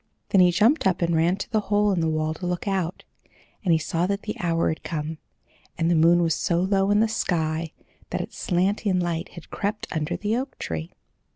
Then he jumped up and ran to the hole in the wall to look out, and he saw that the hour had come, and the moon was so low in the sky that its slanting light had crept under the oak tree.